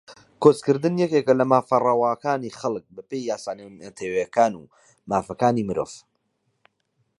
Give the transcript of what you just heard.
کۆچکردن یەکێکە لە مافە ڕەواکانی خەڵک بەپێی یاسا نێونەتەوەییەکان و مافەکانی مرۆڤ